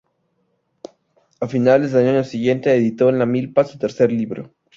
A finales del año siguiente, editó "En la milpa", su tercer libro.